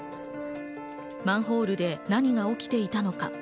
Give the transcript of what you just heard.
マンホールで何が起きていたのか？